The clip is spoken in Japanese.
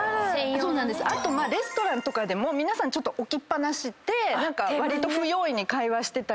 あとレストランとかでも皆さんちょっと置きっ放しでわりと不用意に会話してたり。